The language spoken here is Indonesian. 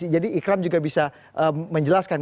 jadi ikram juga bisa menjelaskan